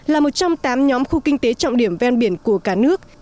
là một trong tám nhóm khu kinh tế trọng điểm ven biển của cả nước